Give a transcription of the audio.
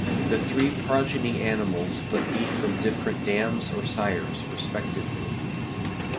The three progeny animals but be from different dams or sires, respectively.